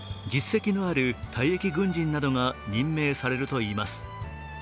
実績のある退役軍人などが任命されるといいます。